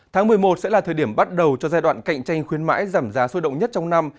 tháng một mươi một sẽ là thời điểm bắt đầu cho giai đoạn cạnh tranh khuyến mãi giảm giá sôi động nhất trong năm